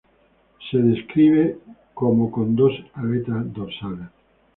Es descrita como teniendo dos aletas dorsales.